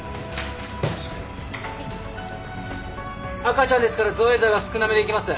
赤ちゃんですから造影剤は少なめでいきます。